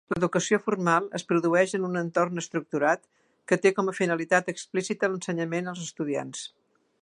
L'educació formal es produeix en un entorn estructurat que té com a finalitat explícita l'ensenyament als estudiants.